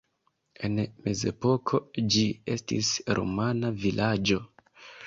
En mezepoko ĝi estis rumana vilaĝo.